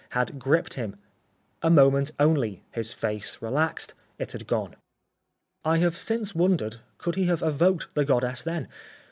had gripped him. A moment only. His face relaxed. It had gone. I have since wondered, could he have evoked the goddess then?